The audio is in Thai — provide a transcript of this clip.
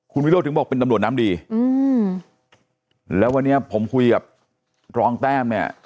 คุณวิโรธถึงบอกเป็นตำรวจน้ำดีอืมแล้ววันนี้ผมคุยกับรองแต้มเนี่ย